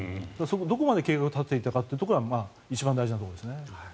どこまで計画を立てていたかというところが一番大事なところですね。